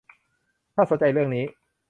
ถ้าสนใจเรื่องนี้